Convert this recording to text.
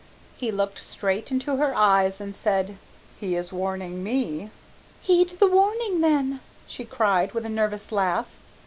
He looked straight into her eyes and said, "He is warning me." "Heed the warning then," she cried, with a nervous laugh.